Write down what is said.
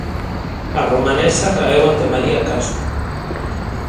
A romanesa caeu ante María Castro.